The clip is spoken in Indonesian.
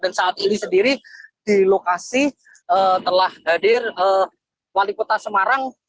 dan saat ini sendiri di lokasi telah hadir wali kota semarang